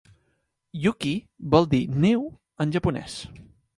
"Yuki" vol dir "neu" en japonès.